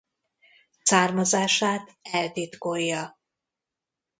Származását eltitkolja.